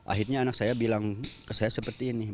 akhirnya anak saya bilang ke saya seperti ini